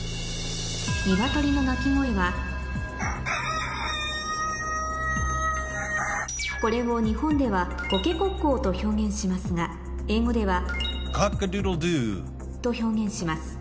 ニワトリの鳴き声はこれを日本ではと表現しますが英語ではと表現します